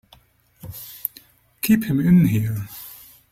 Keep him in here!